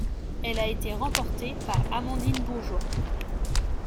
Elle a été remportée par Amandine Bourgeois.